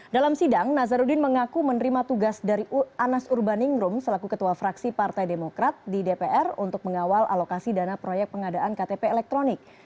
dalam sidang nazarudin mengaku menerima tugas dari anas urbaningrum selaku ketua fraksi partai demokrat di dpr untuk mengawal alokasi dana proyek pengadaan ktp elektronik